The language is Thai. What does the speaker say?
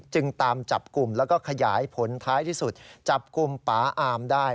จึงตามจับกลุ่มแล้วก็ขยายผลท้ายที่สุดจับกลุ่มป๊าอามได้